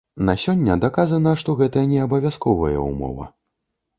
На сёння даказана, што гэта не абавязковая ўмова.